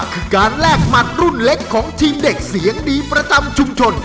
คือการแลกหมัดรุ่นเล็กของทีมเด็กเสียงดีประจำชุมชน